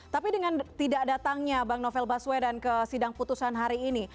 tapi dengan tidak datangnya bang novel baswedan ke sidang putusan hari ini